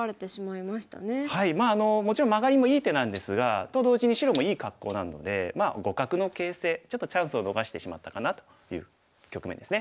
まあもちろんマガリもいい手なんですがと同時に白もいい格好なので互角の形勢ちょっとチャンスを逃してしまったかなという局面ですね。